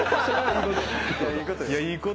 いいことよ。